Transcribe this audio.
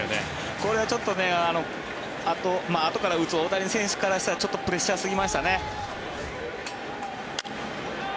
これはちょっとあとから打つ大谷選手からしたらちょっとプレッシャーすぎましたね。